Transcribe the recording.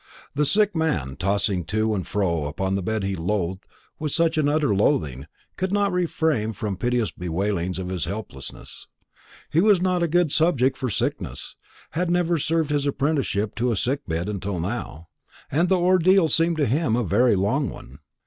The sick man, tossing to and fro upon the bed he loathed with such an utter loathing, could not refrain from piteous bewailings of his helplessness. He was not a good subject for sickness, had never served his apprenticeship to a sick bed until now, and the ordeal seemed to him a very long one.